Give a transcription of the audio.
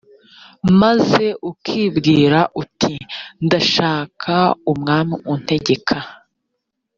maze ukibwira uti ndashaka umwami untegeka